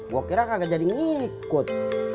gue kira gak jadi ngikut